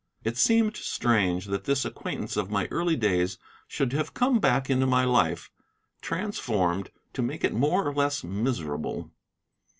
It seemed strange that this acquaintance of my early days should have come back into my life, transformed, to make it more or less miserable.